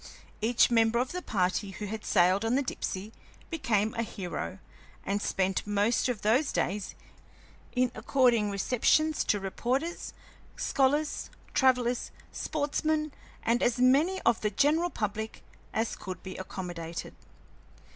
Each member of the party who had sailed on the Dipsey became a hero and spent most of those days in according receptions to reporters, scholars, travellers, sportsmen, and as many of the general public as could be accommodated.